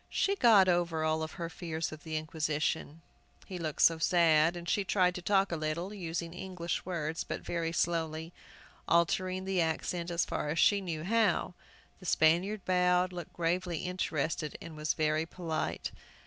She got over all fears of the Inquisition, he looked so sad, and she tried to talk a little, using English words, but very slowly, and altering the accent as far as she knew how. The Spaniard bowed, looked gravely interested, and was very polite.